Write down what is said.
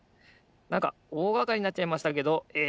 なんかおおがかりになっちゃいましたけどえ